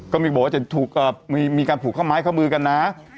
ก็บอกว่าจะถูกมีการผูกข้อม้ายข้อมือกันนะ